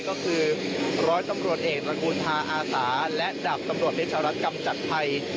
ก็คือร้อยสำรวจเอกละกูลทาอาสาและดับสำรวจฤทธิ์ชาวรัฐกรรมจัดภัย